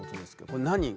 これ何？